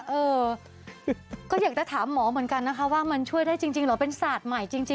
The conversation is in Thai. เออก็อยากจะถามหมอเหมือนกันนะคะว่ามันช่วยได้จริงเหรอเป็นศาสตร์ใหม่จริง